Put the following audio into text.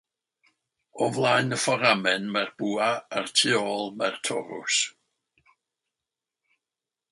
O flaen y fforamen mae'r bwa a'r tu ôl mae'r torws.